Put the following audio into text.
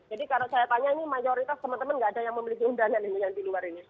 jadi kalau saya tanya ini mayoritas teman teman nggak ada yang memiliki undangan yang di luar ini